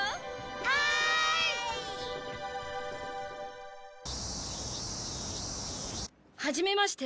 はーい！はじめまして。